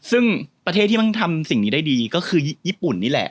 ซึ่งประเทศที่มันทำสิ่งนี้ได้ดีก็คือญี่ปุ่นนี่แหละ